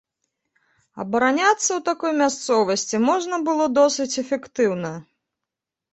Абараняцца ў такой мясцовасці можна было досыць эфектыўна.